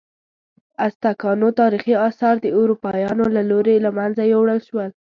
ازتکانو تاریخي آثار د اروپایانو له لوري له منځه یوړل شول.